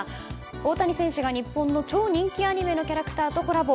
大谷選手が日本の超人気アニメのキャラクターとコラボ。